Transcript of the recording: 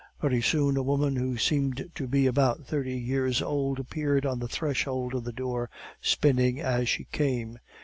Very soon a woman who seemed to be about thirty years old appeared on the threshold of the door, spinning as she came.